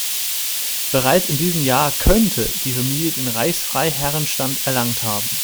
Bereits in diesem Jahr könnte die Familie den Reichsfreiherrenstand erlangt haben.